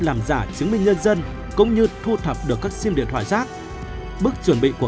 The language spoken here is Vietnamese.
làm giả chứng minh nhân dân cũng như thu thập được các sim điện thoại rác bước chuẩn bị của